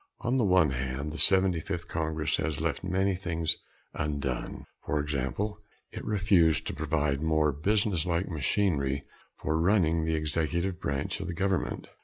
On the one hand, the Seventy Fifth Congress has left many things undone. For example, it refused to provide more businesslike machinery for running the Executive Branch of the government.